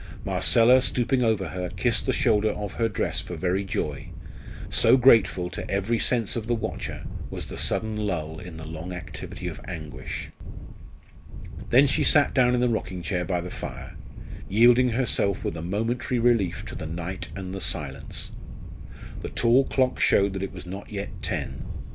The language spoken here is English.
Marcella, stooping over her, kissed the shoulder of her dress for very joy, so grateful to every sense of the watcher was the sudden lull in the long activity of anguish. Then she sat down in the rocking chair by the fire, yielding herself with a momentary relief to the night and the silence. The tall clock showed that it was not yet ten.